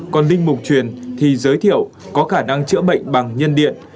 còn linh mục truyền thì giới thiệu có khả năng chữa bệnh bằng nhân điện